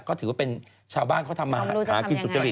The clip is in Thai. ก็ถือว่าเป็นชาวบ้านเขาทำมาหากินสุจริต